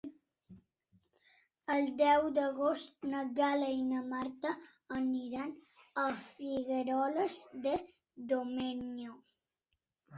El deu d'agost na Gal·la i na Marta aniran a Figueroles de Domenyo.